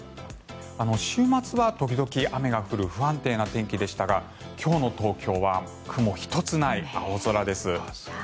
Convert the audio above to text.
週末は時々雨が降る不安定な天気でしたが今日の東京は雲一つない青空です。